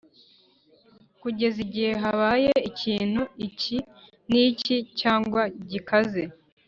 Kugeza igihe habaye ikintu iki n’iki cyangwa gikaze